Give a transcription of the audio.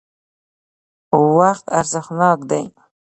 وقت ارزښتناک دی.